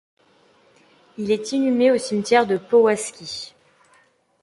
Il est inhumé au cimetière de Powązki.